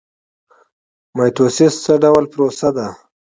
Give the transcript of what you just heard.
مایټوسیس څه ډول پروسه ده؟